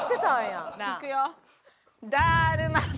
いくよ。